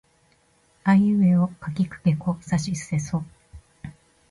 あいうえおかきくけこさしせそ